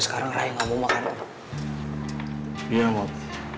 saya set di gadget